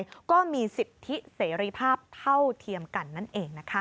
ว่าผู้หญิงหรือผู้ชายก็มีสิทธิเสรีภาพเท่าเทียมกันนั่นเองนะคะ